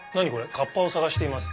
「カッパを探しています」。